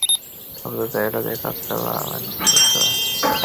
আপাতত এটা দিয়ে কাজ চালা, বাইঞ্চোদরা!